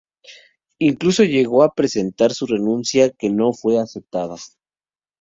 Llegó incluso a presentar su renuncia, que no fue aceptada.